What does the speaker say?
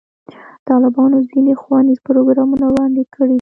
طالبانو ځینې ښوونیز پروګرامونه وړاندې کړي دي.